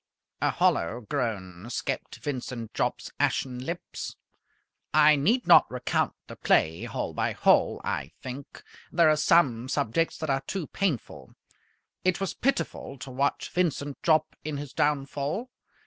A hollow groan escaped Vincent Jopp's ashen lips. I need not recount the play hole by hole, I think. There are some subjects that are too painful. It was pitiful to watch Vincent Jopp in his downfall.